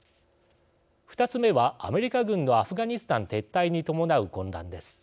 ２つ目は、アメリカ軍のアフガニスタン撤退に伴う混乱です。